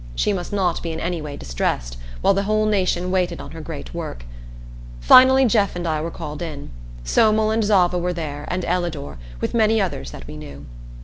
She must not be in any way distressed, while the whole nation waited on her Great Work. Finally Jeff and I were called in. Somel and Zava were there, and Ellador, with many others that we knew.